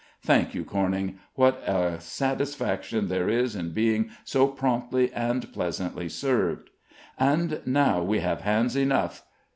Thank you, Corning; what a satisfaction there is in being so promptly and pleasantly served. And now we have hands enough.